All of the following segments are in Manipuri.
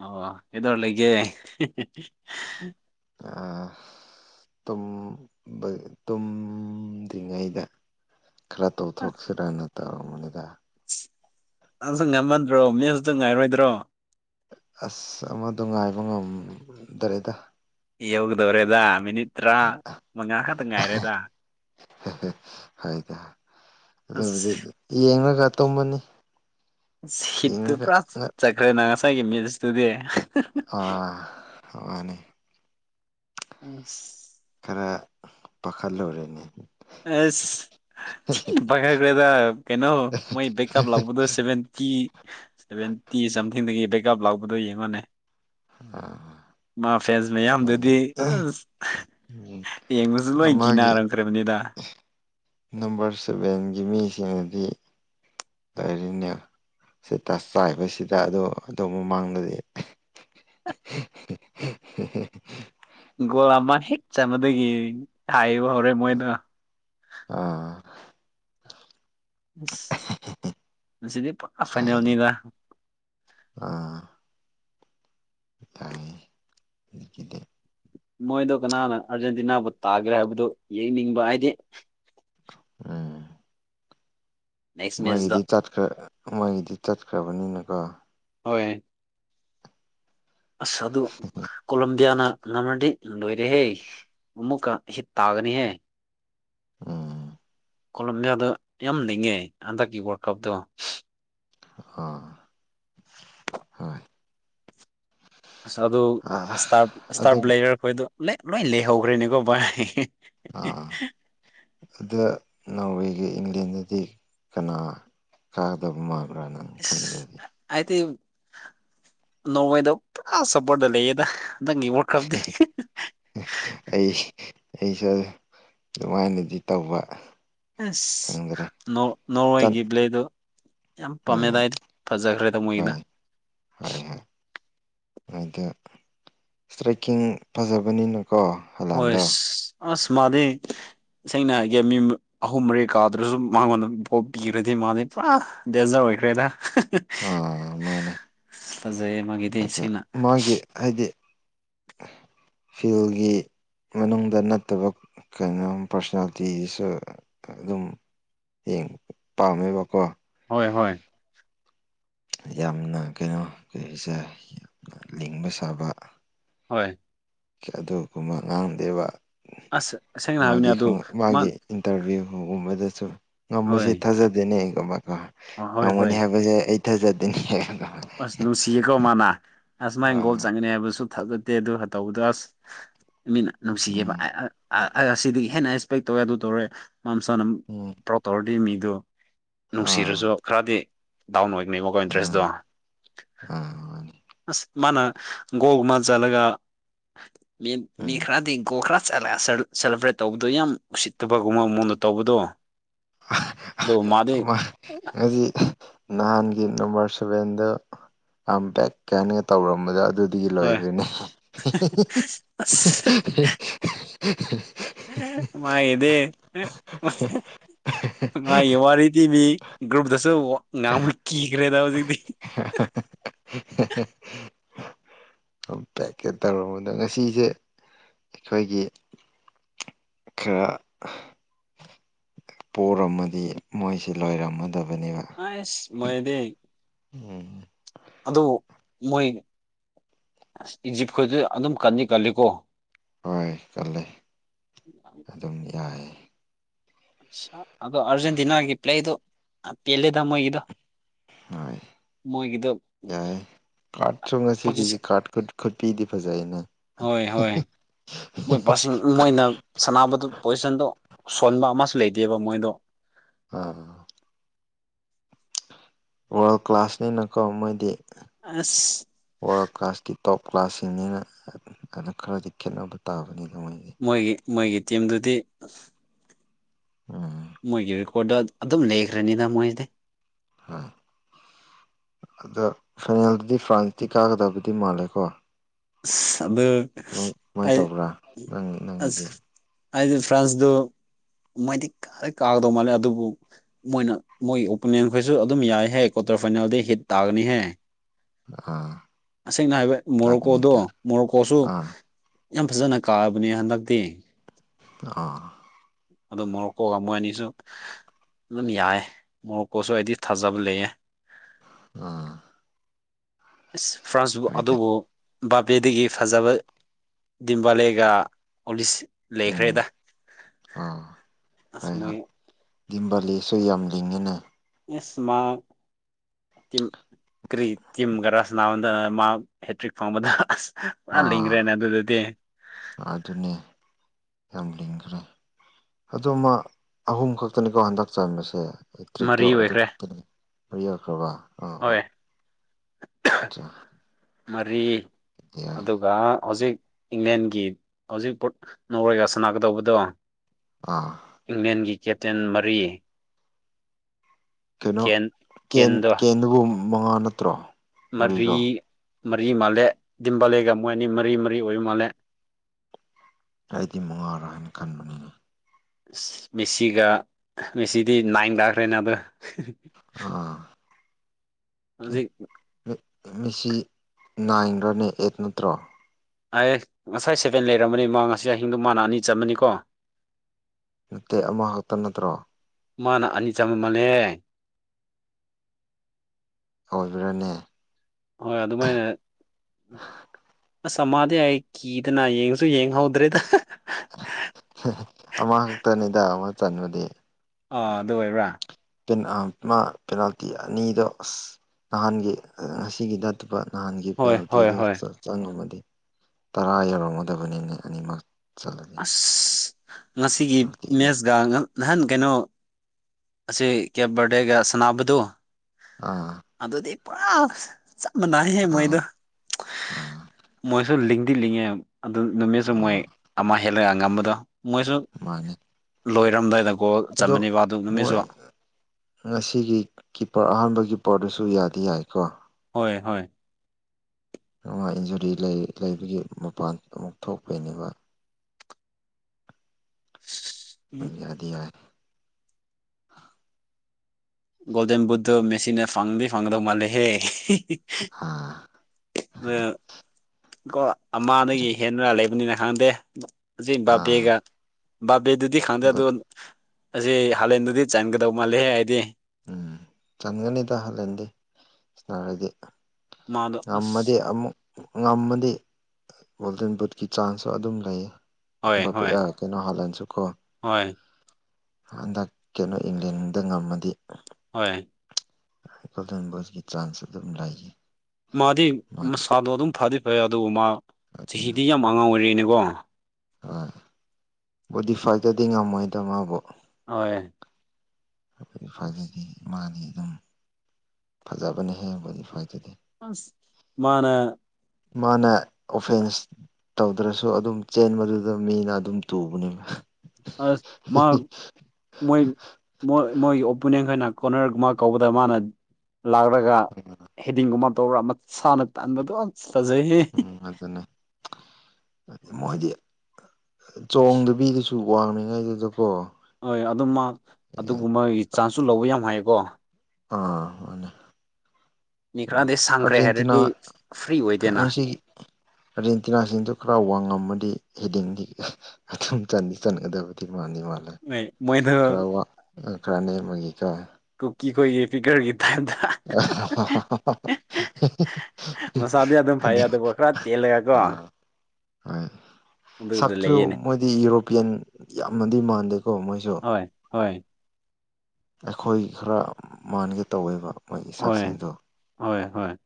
ꯑꯣ ꯀꯩꯗꯣꯔ ꯂꯩꯒꯦ ꯑ ꯇꯨꯝ ꯕ ꯇꯨꯝꯗꯤꯉꯩꯗ ꯈꯔ ꯇꯧꯊꯣꯛꯁꯤꯔꯥꯅ ꯇꯧꯕꯅꯤꯗ ꯅꯪꯁꯨ ꯉꯟꯃꯟꯗ꯭ꯔꯣ ꯃꯦꯁꯇ ꯉꯥꯏꯔꯣꯏꯗ꯭ꯔꯣ ꯑꯁ ꯑꯃꯗꯣ ꯉꯥꯏꯕ ꯉꯝꯗ꯭ꯔꯦꯗ ꯌꯧꯒꯗꯧꯔꯦꯗꯥ ꯃꯤꯅꯤꯠ ꯇ꯭ꯔꯥ ꯃꯉꯥ ꯈꯇ ꯉꯥꯏꯔꯦꯗꯥ ꯍꯦ ꯍꯦ ꯍꯣꯢꯗꯥ ꯑꯗꯨꯕꯨꯗꯤ ꯑꯁ ꯌꯦꯡꯔꯒ ꯇꯨꯝꯃꯅꯤ ꯁꯤꯠꯇꯨ ꯄꯨꯔꯥ ꯌꯦꯡꯉꯒ ꯆꯠꯈ꯭ꯔꯦꯅꯥ ꯉꯁꯥꯏꯒꯤ ꯃꯤꯁꯇꯨꯗꯤ ꯑꯥ ꯃꯥꯅꯦ ꯑꯁ ꯑ ꯄꯥꯈꯠꯂꯨꯔꯦꯅꯦ ꯑꯁ ꯊꯤꯟ ꯄꯥꯈꯠꯈ꯭ꯔꯦꯗ ꯀꯩꯅꯣ ꯃꯣꯏ ꯕꯦꯛꯀꯞ ꯂꯥꯎꯕꯗꯣ ꯁꯚꯦꯟꯇꯤ ꯁꯚꯦꯟꯇꯤ ꯁꯝꯊꯤꯡꯗꯒꯤ ꯕꯦꯛꯑꯞ ꯂꯥꯎꯕꯗꯣ ꯌꯦꯡꯉꯣꯅꯦ ꯑ ꯃꯥ ꯐꯦꯖ ꯃꯌꯥꯝꯗꯨꯗꯤ ꯑꯁ ꯌꯦꯡꯕꯁꯨ ꯂꯣꯏ ꯑꯃꯒꯤ ꯀꯤꯅꯥꯔꯝꯈ꯭ꯔꯕꯅꯤꯗꯥ ꯅꯝꯕꯔ ꯁꯚꯦꯟꯒꯤ ꯃꯤꯁꯤꯡꯅꯗꯤ ꯗꯥꯢꯔꯤꯅꯦ ꯁꯤꯇꯁ ꯆꯥꯏꯕꯁꯤꯗ ꯑꯗꯣ ꯑꯗꯨ ꯃꯃꯥꯡꯗꯗꯤ [unintelligible] ꯒꯣꯜ ꯑꯃ ꯍꯦꯛ ꯆꯟꯕꯗꯒꯤ ꯍꯥꯏꯕ ꯍꯧꯔꯦ ꯃꯣꯏꯅ ꯑꯥ ꯑꯁ ꯉꯁꯤꯗꯤ ꯄꯨꯔꯥ ꯌꯥꯏꯌꯦ ꯐꯥꯢꯅꯦꯜꯅꯤꯗꯥ ꯑꯥ ꯇꯥꯏ ꯅꯤꯀꯤꯗꯤ ꯃꯣꯏꯗꯣ ꯀꯅꯥꯅ ꯑꯥꯔꯖꯦꯟꯇꯤꯅꯥꯕꯨ ꯇꯥꯒꯦꯔꯥ ꯍꯥꯏꯕꯗꯨ ꯌꯦꯡꯅꯤꯡꯕ ꯍꯥꯏꯗꯤ ꯅꯦꯛꯁ ꯃꯦꯠꯆꯇ ꯃꯥꯒꯤꯗꯤ ꯆꯠꯈ꯭ꯔ ꯃꯥꯒꯤꯗꯤ ꯆꯠꯈ꯭ꯔꯕꯅꯤꯅꯀꯣ ꯍꯣꯏ ꯑꯁ ꯑꯗꯨ ꯀꯣꯂꯝꯕꯤꯌꯥꯅ ꯉꯝꯔꯗꯤ ꯂꯣꯏꯔꯦꯍꯦ ꯑꯃꯨꯛꯀ ꯍꯤꯠ ꯇꯥꯒꯅꯤꯍꯦ ꯎꯝ ꯀꯣꯂꯝꯕ꯭ꯌꯥꯗꯣ ꯌꯥꯝ ꯂꯤꯡꯉꯦ ꯍꯟꯗꯛꯀꯤ ꯋꯥꯔꯜꯗ ꯀꯞꯇꯣ ꯑ ꯍꯣꯏ ꯑꯁ ꯑꯗꯨ ꯑꯥ ꯁ꯭ꯇꯥꯔꯞ ꯁ꯭ꯇꯥꯔ ꯑꯗꯨ ꯄ꯭ꯂꯦꯌꯔ ꯈꯣꯏꯗꯣ ꯂꯦꯛ ꯂꯣꯏ ꯂꯩꯍꯧꯈ꯭ꯔꯦꯅꯦꯀꯣ ꯚꯥꯏ ꯑꯥ ꯑꯗꯨ ꯅꯥꯎꯋꯦꯒ ꯏꯪꯂꯦꯟꯒꯗꯤ ꯀꯅꯥ ꯀꯥꯒꯗꯕ ꯃꯥꯜ ꯄꯨꯔꯥꯅ ꯈꯟꯕꯗꯗꯤ ꯑꯁ ꯑꯩꯗꯤ ꯅꯣꯔꯋꯦꯗ ꯄꯨꯔꯥ ꯁꯄꯣꯔꯠꯗ ꯂꯩꯌꯦꯗ ꯅꯪꯒꯤ ꯋꯥꯔ ꯀꯞꯇꯤ ꯑꯩ ꯑꯩꯁꯨ ꯑꯗꯨꯃꯥꯏꯅꯗꯤ ꯇꯧꯕ ꯑꯦꯁ ꯈꯪꯗ꯭ꯔꯦ ꯅꯣ ꯆꯟ ꯅꯣꯔꯋꯦꯒꯤ ꯕ꯭ꯂꯦꯗꯣ ꯌꯥꯝ ꯄꯥꯝꯃꯦꯗ ꯎꯝ ꯑꯩꯗꯤ ꯐꯖꯈ꯭ꯔꯦꯗ ꯍꯣꯏ ꯃꯣꯏꯒꯤꯅ ꯑꯗ ꯁꯇ꯭ꯔꯥꯏꯀꯤꯡ ꯐꯖꯕꯅꯤꯅꯀꯣ ꯍꯣꯏ ꯍꯜꯂꯥꯟꯗꯣ ꯑꯁ ꯑꯁ ꯃꯥꯗꯤ ꯁꯦꯡꯅ ꯍꯥꯏꯒꯦ ꯃꯤ ꯑꯍꯨꯝ ꯃꯔꯤ ꯀꯥꯗ꯭ꯔꯁꯨ ꯃꯥꯉꯣꯟꯗ ꯕꯣꯜ ꯄꯤꯒ꯭ꯔꯗꯤ ꯃꯥꯗꯤ ꯄꯨꯔꯥ ꯗꯦꯖꯔ ꯑꯣꯏꯈ꯭ꯔꯦꯗ ꯑꯥ ꯃꯥꯅꯦ ꯐꯖꯩꯌꯦ ꯃꯥꯒꯤꯗꯤ ꯑꯗ ꯁꯦꯡꯅ ꯃꯥꯒꯤ ꯍꯥꯏꯗꯤ [inaudible] ꯐꯤꯜꯒꯤ ꯃꯅꯨꯡꯗ ꯅꯠꯇꯕ ꯀꯩꯅꯣꯝ ꯄꯥꯔꯁꯣꯅꯦꯜꯂꯤꯇꯤꯒꯤꯁꯨ ꯑꯗꯨꯝ ꯌꯦꯡ ꯄꯥꯝꯃꯦꯕꯀꯣ ꯍꯣꯏ ꯍꯣꯏ ꯌꯥꯝꯅ ꯀꯩꯅꯣ ꯀꯩꯍꯥꯢꯁꯦ ꯌꯥꯝꯅ ꯂꯤꯡꯕ ꯁꯥꯕ ꯍꯣꯏ ꯑꯗꯨꯒꯨꯝꯕ ꯉꯥꯡꯗꯦꯕ ꯑꯁ ꯁꯦꯡꯅ ꯍꯥꯏꯕꯅꯦ ꯃꯥꯒꯤ ꯑꯗꯨ [unintelligible] ꯃꯥ ꯃꯥꯒꯤ ꯏꯟꯇꯔꯚ꯭ꯌꯨꯒꯨꯝꯕꯗ ꯁꯨ ꯉꯝꯕꯁꯦ ꯍꯣꯏ ꯊꯥꯖꯗꯦꯅꯦꯒꯨꯝꯕꯀꯣ ꯍꯣꯏ ꯉꯝꯒꯅꯤ ꯍꯣꯏ ꯍꯥꯏꯕꯖꯦ ꯑꯩ ꯊꯥꯖꯗꯦꯅꯦ ꯑꯁ ꯅꯨꯡꯁꯤꯌꯦꯀꯣ ꯃꯥꯅꯥ ꯑꯁꯨꯃꯥꯢ ꯒꯣꯜ ꯑꯥ ꯆꯟꯒꯅꯤ ꯍꯥꯏꯕ ꯁꯨ ꯊꯥꯖꯗꯦ ꯑꯗꯨ ꯇꯧꯕꯗꯣ ꯑꯁ ꯃꯤꯅ ꯅꯨꯡꯁꯤꯌꯦꯕ ꯎꯝ [unintelligible] ꯑꯁꯤꯗꯒꯤ ꯍꯦꯟꯅ ꯑꯦꯛꯁꯄꯦꯛ ꯇꯧꯋꯦ ꯑꯗꯨ ꯇꯧꯔꯦ ꯃꯥ ꯃꯁꯥꯅ ꯎꯝ ꯄ꯭ꯔꯥꯎꯠ ꯇꯧꯔꯗꯤ ꯃꯤꯗꯣ ꯅꯨꯡꯁꯤꯔꯁꯨ ꯑꯥ ꯈꯔꯗꯤ ꯗꯥꯎꯟ ꯑꯣꯏꯒꯅꯤꯕꯀꯣ ꯏꯟꯇꯔꯦꯁꯇꯣ ꯑ ꯃꯥꯟꯅꯦ ꯑꯁ ꯃꯥꯅ ꯒꯣꯜꯒꯨꯝꯕ ꯆꯜꯂꯒ ꯃꯤ ꯃꯤ ꯎꯝ ꯈꯔꯗꯤ ꯒꫭꯜ ꯈꯔ ꯆꯠꯂ [unintelligible] ꯁꯦꯂꯦꯕ꯭ꯔꯦꯠ ꯇꯧꯕꯗꯣ ꯌꯥꯝ ꯎꯁꯤꯠꯇꯕꯒꯨꯝꯕ ꯃꯋꫭꯡꯗ ꯇꯧꯕꯗꯣ ꯑꯗꯣ ꯃꯥꯗꯤ ꯑꯃ ꯉꯁꯤ ꯅꯍꯥꯟꯒꯤ ꯅꯝꯕꯔ ꯁꯚꯦꯟꯗꫭ ꯑꯥꯝ ꯕꯦꯛ ꯀꯥꯏꯅꯒ ꯇꯧꯔꯝꯕꯗꫭ ꯑꯗꯨꯗꯤ ꯍꯣꯏ ꯂꯣꯏꯒ‍꯭ꯔꯦꯅꯦ ꯑꯁ ꯍꯦꯍꯦ [unintelligible] ꯃꯥꯒꯤꯗꯤ [unintelligible] ꯃꯥꯒꯤ ꯋꯥꯔꯤ ꯇꯤꯚꯤ ꯒ꯭ꯔꯨꯞꯗꯁꯨ ꯉꯥꯡꯕ ꯀꯤꯈ꯭ꯔꯦꯗ ꯍꯧꯖꯤꯛꯇꯤ ꯑꯝ ꯕꯦꯛ ꯀ ꯇꯧꯔꯝꯕꯗꯣ ꯉꯁꯤꯁꯦ ꯑꯩꯈꯣꯏꯒꯤ ꯈꯔ ꯄꯣꯔꯝꯃꯗꯤ ꯃꯣꯏꯁꯦ ꯂꯣꯏꯔꯝꯃꯗꯕꯅꯦꯕ ꯑꯁ ꯃꯣꯏꯗꯤ ꯎꯝ ꯑꯗꯨ ꯃꯣꯏ ꯏꯖꯤꯞꯈꯣꯏꯗꯤ ꯑꯗꯨꯝ ꯀꯟꯗꯤ ꯀꯜꯂꯤꯀꯣ ꯍꯣꯏ ꯀꯜꯂꯤ ꯑꯗꯨꯝ ꯌꯥꯏ ꯑꯗꯣ ꯑꯔꯖꯦꯟꯇꯤꯅꯥꯒꯤ ꯄ꯭ꯂꯦꯗꫭ ꯄꯦꯜꯂꯦꯗ ꯃꯣꯏꯒꯤꯗꯣ ꯍꯣꯢ ꯃꯣꯏꯒꯤꯗꯣ ꯌꯥꯏ ꯀꯥꯔꯠꯁꯨ ꯉꯁꯤꯒꯤꯖꯤ ꯄꯣꯖꯤꯁꯟ ꯀꯥꯔꯠ ꯀꯨ ꯈꯨꯄꯤꯗꯤ ꯐꯖꯩꯅ ꯍꯣꯏ ꯍꯣꯏ ꯃꯣꯏ ꯄꯥꯁꯜ ꯃꯣꯏꯅ ꯁꯥꯟꯅꯕꯗꯣ ꯄꯣꯖꯤꯁꯟꯗꯣ ꯁꯣꯟꯕ ꯑꯃꯁꯨ ꯂꯩꯇꯦꯕ ꯃꯣꯏꯗꯣ ꯑ ꯋꯥꯔꯜ ꯀ꯭ꯂꯥꯁꯅꯤꯅꯀꯣ ꯃꯣꯏꯗꯤ ꯑꯁ ꯋꯥꯔꯜ ꯀ꯭ꯂꯥꯁꯀꯤ ꯇꯣꯞ ꯀ꯭ꯂꯥꯁꯁꯤꯡꯅꯤꯅ ꯀꯅꫭ ꯈꯔꯗꯤ ꯈꯦꯠꯅꯕ ꯇꯥꯕꯅꯤ ꯃꯣꯏ ꯃꯣꯏꯒꯤ ꯃꯣꯏꯒꯤ ꯇꯤꯝꯗꯨꯗꯤ ꯎꯝ ꯃꯣꯏꯒꯤ ꯔꯦꯀꯣꯔꯠꯇ ꯑꯗꯨꯝ ꯂꯩꯈ꯭ꯔꯅꯤꯗ ꯃꯣꯏꯗꯤ ꯍꯥ ꯑꯗꫭ ꯐꯥꯏꯅꯦꯜꯗꯗꯤ ꯐ꯭ꯔꯥꯟꯁꯇꯤ ꯀꯥꯒꯗꯕꯗꯤ ꯃꯥꯜꯂꯦꯀꯣ ꯃꯥꯏ [unintelligible] ꯀꯃꯥꯏꯅ ꯇꯧꯕ꯭ꯔꯥ ꯅꯪ ꯑꯁ ꯅꯪꯒꯤꯗꯤ ꯑꯩꯗꯤ ꯐ꯭ꯔꯥꯟꯁꯗꯨ ꯃꯣꯏꯗꯤ ꯀꯥꯗꯤ ꯀꯥꯒꯗꯧ ꯃꯥꯜꯂꯦ ꯑꯗꯨꯕꯨ ꯃꯣꯏꯅ ꯃꯣꯏ ꯑꯣꯄꯣꯅꯦꯟꯈꯣꯏꯁꯨ ꯑꯗꯨꯝ ꯌꯥꯏꯍꯦ ꯀꫭ ꯀ꯭ꯋꯥꯇ꯭ꯔ ꯐꯥꯏꯅꯦꯜꯗꯤ ꯍꯤꯠ ꯇꯥꯒꯅꯤ ꯍꯦ ꯑꯥ ꯇꯁꯦꯡꯅ ꯍꯥꯏꯕ ꯃꯣꯔꯣꯀꯣꯗꯣ ꯇꯥꯒꯅꯤꯗ ꯃꯣꯔꯣꯀꯣꯁꯨ ꯑꯥ ꯌꯥꯝ ꯐꯖꯅ ꯀꯥꯕꯅꯦ ꯍꯟꯗꯛꯇꯤ ꯑ [unintelligible] ꯑꯗꯣ ꯃꯣꯔꯣꯀꯣ ꯒ ꯃꯣꯏ ꯑꯅꯤꯁꯨ ꯑꯗꯨꯝ ꯌꯥꯏ ꯃꯣꯔꯣꯀꯣꯁꯨ ꯑꯩꯗꯤ ꯊꯥꯖꯕ ꯂꯩꯌꯦ ꯑꯥ [unintelligible] ꯑꯁ ꯐ꯭ꯔꯥꯟꯁꯕꯨ ꯍꯣꯏꯗ ꯑꯗꯨꯕꯨ ꯕꯄꯦꯗꯒꯤ ꯐꯖꯕ ꯗꯤꯝꯕꯥꯂꯦꯒ ꯑꯣꯂꯤꯁ ꯎꯝ ꯂꯩꯈ꯭ꯔꯦꯗ ꯑꯥ ꯑꯁ ꯃꯣꯏ ꯂꯤꯁꯨ ꯌꯥꯝ ꯂꯤꯡꯉꯤꯅꯦ ꯏꯁ ꯃꯥ ꯇꯤꯝ ꯀ꯭ꯔꯤ ꯇꯤꯝ ꯒꯔꯥ ꯁꯥꯟꯅꯕꯗ ꯃꯥ ꯍꯦꯇ꯭ꯔꯤꯛ ꯐꯪꯕꯗꯣ ꯑꯁ ꯄꯨꯔꯥ ꯑꯥ ꯂꯤꯒ꯭ꯔꯦꯅꯦ ꯑꯗꯨꯗꯗꯤ ꯑꯗꯨꯅꯦ ꯌꯥꯝ ꯂꯤꯡꯒ꯭ꯔꯦ ꯑꯗꯨ ꯃꯥ ꯑꯍꯨꯝ ꯈꯛꯇꯅꯤꯀꯣ ꯍꯟꯗꯛ ꯆꯟꯕꯁꯦ ꯍꯦꯠꯇꯔꯤꯛꯇꯣ ꯃꯔꯤ ꯑꯗꯨ ꯑꯣꯏꯈ꯭ꯔꯦ ꯈꯛꯇꯅꯤ ꯍꯩꯌꯥꯈ꯭ꯔꯕ ꯍꯣꯏ [unintelligible] ꯑꯆꯥ [unintelligible] ꯃꯔꯤ ꯑꯗꯨꯒ ꯍꯧꯖꯤꯛ ꯏꯪꯂꯦꯟꯒꯤ ꯍꯧꯖꯤꯛ ꯄꯣꯔꯠ ꯅꯣꯔꯋꯦꯒ ꯁꯅꯥꯒꯗꯧꯕꯗꯣ ꯑꯥ ꯏꯪꯂꯦꯟꯒꯤ ꯀꯦꯞꯇꯦꯟ ꯃꯔꯤ ꯀꯩꯅꯣ ꯀꯦꯟ ꯀꯦꯟ ꯀꯦꯟꯗꯣ ꯀꯦꯟꯗꯨꯕꯨ ꯃꯉꯥ ꯅꯠꯇ꯭ꯔꯣ ꯃꯔꯤ ꯃꯔꯤꯔꯣ ꯃꯔꯤ ꯃꯥꯜꯂꯦ ꯗꯤꯝꯕꯥꯂꯦꯒ ꯃꯣꯏ ꯑꯅꯤ ꯃꯔꯤ ꯃꯔꯤ ꯑꯣꯏꯕ ꯃꯥꯜꯂꯦ ꯑꯩꯗꯤ ꯃꯉꯥꯔꯥ ꯍꯥꯏꯅ ꯈꯟꯕꯅꯤꯅꯦ ꯑꯁ ꯃꯦꯁꯤꯒ ꯃꯦꯁꯤꯗꯤ ꯅꯥꯏꯟ ꯇꯥꯛꯈ꯭ꯔꯦ ꯃꯥꯗꯣ ꯃꯦꯁꯤ ꯅꯥꯏꯟꯔꯅꯦ ꯑꯦꯠ ꯅꯠꯇ꯭ꯔꯣ ꯑꯩ ꯉꯁꯥꯏ ꯁꯦꯚꯦꯟ ꯂꯩꯔꯝꯕꯅꯤ ꯃꯥ ꯉꯁꯤ ꯑꯍꯤꯡꯗꯥ ꯃꯥꯥꯟꯅ ꯑꯅꯤ ꯆꯟꯕꯅꯤꯀꯣ ꯅꯠꯇꯦ ꯑꯃꯈꯛꯇ ꯅꯠꯇ꯭ꯔꯣ ꯃꯥꯅ ꯑꯅꯤ ꯆꯪꯕ ꯃꯥꯜꯂꯦꯍꯦ ꯑꯣꯏꯕ꯭ꯔꯅꯦ ꯍꯣꯏ ꯑꯗꯨꯃꯥꯏꯅ ꯑꯁ ꯑꯃꯗꯤ ꯑꯩ ꯀꯤꯗꯅ ꯌꯦꯡꯁꯨ ꯌꯦꯡꯍꯧꯗ꯭ꯔꯦꯗ ꯑꯃ ꯈꯛꯇꯅꯤꯗ ꯃꯅ ꯆꯟꯕꯗꯤ ꯑꯥ ꯑꯗꯨ ꯑꯣꯏꯕ꯭ꯔꯥ ꯄꯦꯅꯥꯜ ꯃꯥ ꯄꯦꯅꯥꯜꯇꯤ ꯑꯅꯤꯗꯣ ꯑꯁ ꯅꯍꯥꯟꯒꯤ ꯉꯁꯤꯒꯤ ꯅꯠꯇꯕ ꯅꯍꯥꯟꯒꯤ ꯍꯣꯏ ꯍꯣꯏ ꯄꯦꯅꯥꯜꯇꯤꯗ ꯍꯣꯏ ꯆꯪꯉꯝꯗꯤ ꯇꯔꯥ ꯌꯧꯔꯝꯒꯗꯕꯅꯤꯅꯦ ꯑꯅꯤꯃꯛ ꯆꯠꯂꯗꯤ ꯑꯁ ꯉꯁꯤꯒꯤ ꯃꯦꯁꯒ ꯅꯍꯥꯟ ꯀꯩꯅꯣ ꯑꯁꯤ ꯀ꯭ꯔꯦꯞ ꯕꯔꯗꯦꯒ ꯁꯅꯥꯕꯗꯨ ꯑꯥ ꯄꯨꯔꯥ ꯆꯞ ꯃꯥꯟꯅꯩꯍꯦ ꯑꯥ ꯃꯣꯏꯗꯣ ꯑꯥ ꯃꯣꯏꯁꯨ ꯂꯤꯡꯗꯤ ꯂꯤꯡꯉꯦ ꯑꯗꯨ ꯅꯨꯃꯤꯠꯁꯨ ꯃꯣꯏ ꯑꯥ ꯑꯃ ꯍꯦꯜꯂꯛꯒ ꯉꯝꯕꯗꯣ ꯃꯣꯏꯁꯨ ꯃꯥꯅꯤ ꯂꯣꯏꯔꯝꯗꯥꯏꯗ ꯒꯣꯜ ꯆꯝꯕꯅꯦꯕ ꯑꯗꯨ ꯃꯤꯁ ꯍꯣꯏ ꯉꯁꯤꯒꯤ ꯀꯤꯄꯥꯔ ꯑꯍꯥꯟꯕ ꯀꯤꯄꯣꯔꯗꯨꯁꯨ ꯌꯥꯗꯤ ꯌꯥꯏꯀꯣ ꯍꯣꯏ ꯍꯣꯏ ꯅꯨꯉꯥꯏ ꯏꯟꯖꯨꯔꯤ ꯂꯩ ꯂꯩꯕꯒꯤ ꯃꯄꯥꯟ ꯑꯃꯨꯛ ꯊꯣꯛꯄꯩꯅꯦꯕ ꯎꯝ ꯌꯥꯗꯤ ꯌꯥꯏ ꯒꯣꯜꯗꯟ ꯕꯨꯠꯇꯨ ꯃꯦꯁꯤꯅ ꯐꯪꯗꯤ ꯐꯪꯒꯗꯧ ꯃꯥꯜꯂꯦꯍꯦ ꯑꯥ [unintelligible] ꯀꯣ ꯗ꯭ꯔꯦ ꯑꯃꯗꯒꯤ ꯍꯦꯟꯔ ꯂꯩꯕꯅꯤꯅ ꯈꯥꯡꯗꯦ ꯍꯧꯖꯤꯛ ꯑꯥ ꯕꯥꯕꯦꯒ ꯕꯥꯕꯦꯗꯨꯗꯤ ꯈꯡꯗꯦ ꯕꯠ ꯑꯗꫭ ꯑꯁꯤ ꯍꯥꯂꯦꯟꯗꯨꯗꯤ ꯆꯟꯒꯗꯧ ꯃꯥꯜꯂꯦꯍꯦ ꯑꯩꯗꯤ ꯎꯝ ꯆꯟꯒꯅꯤꯗ ꯍꯥꯂꯦꯟꯗꯤ ꯁꯥꯅꯔꯗꯤ ꯃꯥꯗꯣ ꯑꯁ ꯉꯝꯃꯗꯤ ꯑꯃꯨꯛ ꯉꯝꯃꯗꯤ ꯒꯣꯜꯗꯟ ꯕꯨꯠꯀꯤ ꯆꯥꯟꯁꯁꯨ ꯑꯗꯨꯝ ꯂꯩꯌꯦ ꯍꯣꯏ ꯕꯥꯄꯦ ꯍꯣꯏ ꯑ ꯀꯩꯅꯣ ꯍꯂꯥꯟꯁꯨ ꯀꯣ ꯍꯣꯏ ꯍꯟꯗꯛ ꯀꯩꯅꯣ ꯏꯪꯂꯦꯟꯗ ꯉꯝꯃꯗꯤ ꯍꯣꯏ ꯒꯣꯜꯗꯟ ꯕꯨꯠꯀꯤ ꯆꯥꯟꯁꯁꯨ ꯑꯗꯨꯝ ꯂꯩꯌꯦ ꯃꯥꯗꯤ ꯃꯥꯒꯤ ꯃꯁꯥꯗꯣ ꯑꯗꯨꯝ ꯐꯗꯤ ꯐꯩꯌꯦ ꯑꯗꯨꯕꯨ ꯃꯥ ꯆꯍꯤꯗꯤ ꯌꯥꯝ ꯑꯉꯥꯡ ꯑꯣꯏꯔꯤꯅꯦ [unintelligible] ꯕꫭꯗꯤ ꯐꯥꯏꯠꯇꯗꯤ ꯉꯝꯃꯣꯏꯗ ꯃꯥꯕꯨ ꯍꯣꯏ [unintelligible] ꯃꯥꯅꯤ ꯐꯖꯕꯅꯦꯍꯦ ꯕꫭꯗꯤ ꯐꯥꯏꯠ ꯇꯨꯗꯤ ꯃꯥꯅ ꯃꯥꯅ ꯑꯣꯐꯦꯟꯁ ꯇꯧꯗ꯭ꯔꯁꯨ ꯑꯗꯨꯝ ꯆꯦꯟꯕꯗꯨꯗ ꯃꯤꯅ ꯑꯗꯨꯝ ꯇꯨꯕꯅꯦꯕ ꯑꯁ ꯃꯥ ꯃꯣꯏ ꯃꯣꯏ ꯃꯣꯏꯒꯤ ꯑꯣꯄꯣꯅꯦꯟ ꯈꯩꯅ ꯀꯣꯅꯔꯒꯨꯝꯃ ꯀꯥꯎꯕꯗ ꯃꯥꯅ ꯂꯥꯛꯔꯒ ꯍꯦꯗꯤꯡꯒꯨꯝꯕ ꯇꯧꯔ ꯑꯝꯃ ꯁꯥꯅ ꯇꯥꯟꯕꯗꯣ [unintelligible] ꯐꯖꯩꯍꯦ ꯎꯝ ꯑꯗꯨꯅꯦ ꯃꯣꯏꯗꯤ ꯆꯣꯡꯗꯕꯤꯗꯁꯨ ꯋꯥꯡꯂꯤꯉꯥꯏꯗꯨꯗꯀꯣ ꯍꯣꯏ ꯑꯗꯨꯝꯃꯛ ꯑꯗꯨꯒꯨꯝꯕꯒꯤ ꯆꯥꯟꯁꯁꯨ ꯂꯧꯕ ꯌꯥꯝ ꯍꯥꯏꯌꯦꯀꯣ ꯑꯥ ꯃꯥꯅꯦ ꯃꯤ ꯀꯩꯅꯣ ꯈꯔꯗꯤ ꯁꯪꯈ꯭ꯔꯦ ꯍꯥꯏꯔꯗꯤ ꯑꯥꯔꯖꯦꯟꯇꯤꯅꯥ ꯐ꯭ꯔꯤ ꯑꯣꯏꯗꯦꯅ ꯑꯥꯔꯖꯦꯟꯇꯤꯅꯥꯁꯤꯡꯗꯨ ꯈꯔ ꯋꯥꯡꯉꯝꯃꯗꯤ ꯍꯦꯗꯤꯡꯗꯤ ꯑꯗꯨꯝ ꯆꯟꯗꯤ ꯆꯟꯒꯗꯕꯅꯤ ꯃꯥꯅꯤ ꯃꯥꯜꯂꯦ ꯍꯣꯏ ꯃꯣꯏꯗꯣ ꯈꯔ ꯋꯥ ꯈꯔ ꯅꯦꯝꯕꯒꯤ ꯀꯣ ꯀꯨꯀꯤ ꯈꯣꯏꯒꯤ ꯐꯤꯒꯔꯒꯤ ꯇꯥꯏꯞꯇ [unintelligible] ꯃꯁꯥꯗꯤ ꯑꯗꯨꯝ ꯐꯩꯌꯦ ꯑꯗꯨꯕꯨ ꯈꯔ ꯇꯦꯜꯂꯦꯀꯣ [inaudible] ꯍꫭꯏ ꯁꯛꯆꯨ ꯃꯣꯏꯗꯤ ꯌꯨꯔꯣꯄꯤꯌꯥꯟ ꯌꯥꯝꯅꯗꯤ ꯃꯥꯟꯗꯦ ꯍꯣꯏ ꯍꯣꯏ ꯑꯩꯈꯣꯏ ꯈꯔ ꯃꯥꯟꯒꯦ ꯇꯧꯋꯦꯕ ꯃꯣꯏꯒꯤ ꯍꯣꯏ ꯁꯛꯁꯤꯡꯗꯣ ꯍꯣꯏ ꯍꯣꯏ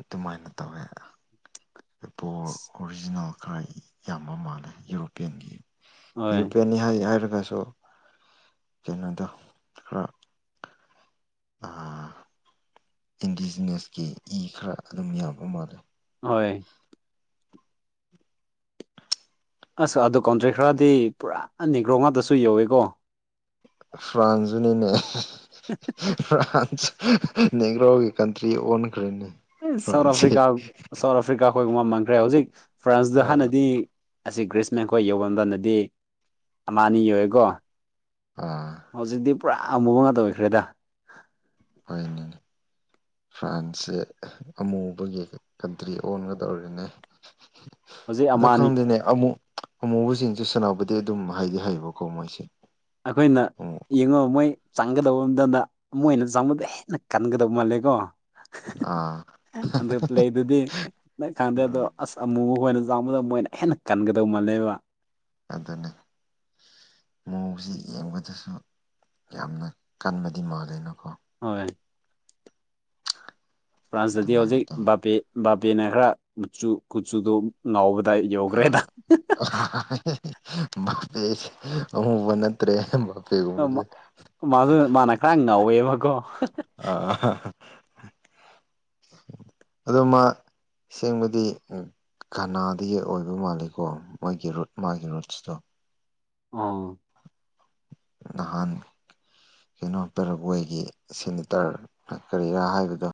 ꯑꯗꯨꯃꯥꯏꯅ ꯇꯧꯋꯦ ꯄꯣꯔ ꯑꯣꯔꯤꯖꯤꯅꯦꯜ ꯍꫭꯏ ꯌꯥꯝꯕ ꯃꯥꯜꯂꯦ ꯌꯨꯔꯣꯄꯤꯌꯥꯟꯒꯤ ꯍꯣꯏ ꯌꯨꯔꯣꯄ꯭ꯌꯥꯟꯅꯤ ꯍꯥꯏ ꯍꯥꯏꯔ [unintelligible] ꯀꯩꯅꯣꯗꯣ ꯈꯔ ꯑꯥ ꯏꯟꯗꯤꯖꯤꯅꯁꯀꯤ ꯏ ꯈꯔ ꯑꯗꯨꯝ ꯌꯥꯎꯕ ꯃꯥꯜꯂꯦ ꯍꯣꯏ ꯑꯁ ꯑꯗꯣ ꯀꯣꯟꯇ꯭ꯔꯦꯛ ꯈꯔꯗꯤ ꯄꯨꯔꯥ ꯅꯦꯒ꯭ꯔꯣ ꯉꯥꯛꯇꯁꯨ ꯌꯧꯋꯦꯀꯣ ꯐ꯭ꯔꯥꯟꯁꯖꯨꯅꯤꯅꯦ ꯐ꯭ꯔꯥꯟꯁ ꯅꯦꯒ꯭ꯔꯣꯒꯤ ꯀꯟꯇ꯭ꯔꯤ ꯑꯣꯟ ꯏꯁ ꯁꯥꯎꯠ ꯑꯐ꯭ꯔꯤꯀꯥ ꯁꯥꯎꯠ ꯑꯐ꯭ꯔꯤꯀꯥ ꯑꯩꯈꯣꯏꯒꯨꯝꯕ ꯃꯥꯟꯈ꯭ꯔꯦ ꯍꯧꯖꯤꯛ ꯐ꯭ꯔꯥꯟꯁꯇ ꯑꯥ ꯍꯥꯟꯅꯗꯤ ꯑꯁꯤ ꯒ꯭ꯔꯤꯁꯃꯦꯟꯈꯣꯏ ꯌꯧꯐꯝꯝꯕꯗꯗꯤ ꯑꯃ ꯑꯅꯤ ꯌꯧꯑꯦꯀꯣ ꯑꯥ ꯍꯧꯖꯤꯛꯇꯤ ꯄꯨꯔꯥ ꯑꯃꯨꯕ ꯉꯥꯛꯇ ꯑꯣꯏꯈ꯭ꯔꯦꯗ ꯍꯣꯏꯅꯤꯅꯦ ꯐ꯭ꯔꯥꯟꯁꯁꯦ ꯑꯃꯨꯕꯒꯤ ꯀꯟꯇ꯭ꯔꯤ ꯑꯣꯟꯒꯗꯧꯔꯤꯅꯦ ꯍꯧꯖꯤꯛ ꯑꯃ ꯑꯗꯨ ꯑꯅꯤ ꯈꯪꯗꯦꯅꯦ ꯑꯃꯨꯛ ꯑꯃꯨꯕꯁꯤꯡꯁꯦ ꯁꯅꯥꯄꯇꯤ ꯑꯗꯨꯝ ꯍꯩꯗꯤ ꯍꯩꯌꯦꯕꯀꯣ ꯃꯣꯏꯁꯦ ꯑꯩꯈꯣꯏꯅ ꯑꯃꯨꯛ ꯌꯦꯡꯉꯨ ꯃꯣꯏ ꯆꯪꯒꯗꯕ ꯃꯗ ꯃꯣꯏꯅ ꯆꯪꯕꯗ ꯍꯦꯟꯅ ꯀꯟꯒꯗꯕ ꯃꯥꯜꯂꯦꯀꯣ ꯑꯥ ꯑꯗꯨ ꯄꯂꯦ ꯗꯨꯗꯤ ꯅꯪ ꯈꯪꯗꯦ ꯑꯗꯣ ꯎꯝ ꯑꯁ ꯑꯃꯨꯛ ꯑꯩꯣꯏꯅ ꯆꯥꯡꯕꯗ ꯃꯣꯏꯅ ꯍꯦꯟꯅ ꯀꯟꯒꯗꯧ ꯃꯥꯜꯂꯦꯕ ꯑꯗꯨꯅꯤ ꯃꯣꯡꯁꯤ ꯌꯦꯡꯕꯗꯁꯨ ꯌꯥꯝꯅ ꯀꯟꯕꯗꯤ ꯃꯥꯜꯂꯦꯅꯀꯣ ꯍꯣꯏ ꯐ꯭ꯔꯥꯟꯁꯇꯗꯤ ꯑꯗꯨꯃꯥꯏꯅ ꯍꯧꯖꯤꯛ ꯇꯧ ꯕꯥꯄꯦ ꯕꯥꯄꯦꯅ ꯈꯔ ꯃꯆꯨꯪ ꯀꯨꯆꯨꯗꯣ ꯉꯥꯎꯕꯗ ꯗꯥ ꯌꯣꯒ ꯔꯦꯗ ꯕꯄꯦꯁꯦ ꯑꯃꯨꯕ ꯅꯠꯇ꯭ꯔꯦ ꯕꯥꯄꯦꯒꯨꯝꯕꯁꯦ ꯃꯥ ꯃꯥꯗꯣ ꯃꯥꯅ ꯈꯔ ꯉꯧꯋꯦꯕꯀꯣ ꯑꯥ ꯑꯍꯥ ꯑꯗꯨ ꯃꯥ ꯁꯦꯡꯕꯗꯤ ꯎꯝ ꯀꯅꯥꯗꯥꯒꯤ ꯑꯣꯏꯕ ꯃꯥꯜꯂꯤꯦ ꯀꯣ ꯃꯣꯏꯒꯤ ꯔꯨꯠ ꯃꯥꯒꯤ ꯔꯨꯠꯁꯇꯣ ꯑꯥ ꯎꯝ ꯅꯍꯥꯟ ꯀꯩꯅꯣ ꯄꯔꯒꯣꯏꯒꯤ ꯁꯦꯅꯤꯇꯔ ꯀꯔꯤꯔꯥ ꯍꯥꯏꯕꯗꯣ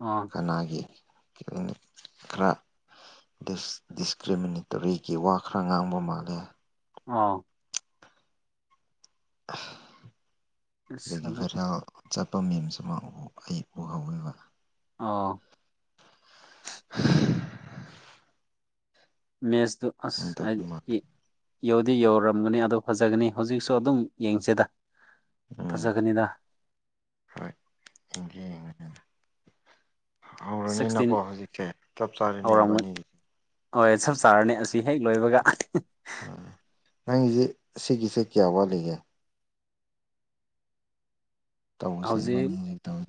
ꯑꯥ ꯀꯅꯥꯒꯤ ꯀ꯭ꯂꯤꯅꯤꯛ ꯈꯔ ꯗꯤꯁꯀ꯭ꯔꯤꯃꯤꯅꯦꯇꯣꯔꯤꯒꯤ ꯋꯥ ꯈꯔ ꯉꯥꯡꯕ ꯃꯥꯜꯂꯦ ꯑꯥꯎ ꯑꯁ ꯑꯗꯨꯗꯒꯤ ꯑꯗꯨ ꯈꯔ ꯆꯠꯄ ꯃꯦꯝꯁꯤꯃ ꯑꯃ ꯑꯩ ꯎꯍꯧꯋꯦꯕ ꯑꯥ [inaudible] ꯃꯦꯖꯗꯨ ꯑꯗꯨꯃꯥꯏꯅ ꯇꯧꯕ ꯃꯥꯜꯂꯦ ꯑꯁꯑꯩꯗꯤ ꯌꯧꯗꯤ ꯌꯧꯔꯔꯝꯒꯅꯤ ꯑꯗꯨ ꯐꯖꯒꯅꯤ ꯍꯧꯖꯤꯛꯁꯨ ꯑꯗꯨꯝ ꯌꯦꯡꯁꯤꯗ ꯎꯝ ꯐꯖꯒꯅꯤꯗ ꯍꯣꯏ ꯌꯦꯡꯒꯦ ꯌꯦꯡꯉꯒꯦ ꯁꯤꯛꯁꯇꯤꯟ ꯍꯧꯔꯅꯤꯅꯀꯣ ꯍꯧꯖꯤꯛꯇꯤ ꯆꯞ ꯆꯥꯔꯦꯅꯦ ꯍꯧꯔꯝꯒꯅꯤ ꯏꯕꯅꯤ ꯍꯣꯏ ꯆꯞ ꯆꯥꯔꯅꯤ ꯑꯁꯤ ꯍꯦꯛ ꯂꯣꯏꯕꯒ ꯅꯪꯁꯦ ꯁꯤꯒꯤꯁꯦ ꯀꯌꯥ ꯋꯥꯂ ꯂꯤꯒꯦ ꯇꯧꯁꯦ ꯍꯧꯖꯤꯛ ꯑꯩꯕꯥꯅꯤꯅꯥ ꯇꯧ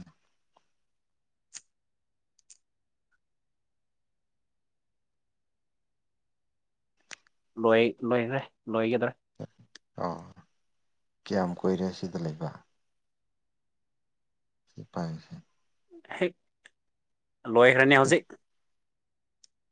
ꯂꯣꯏ ꯂꯣꯏꯔꯦ ꯂꯣꯏꯒꯗ꯭ꯔꯥ ꯑꯣ ꯀꯌꯥꯝ ꯀꯨꯏꯔꯦ ꯁꯤꯗ ꯂꯩꯕ ꯁꯤ ꯄꯥꯏꯁꯦ ꯍꯦꯛ ꯂꯣꯏꯈꯔꯥꯅꯤ ꯍꯧꯖꯤꯛ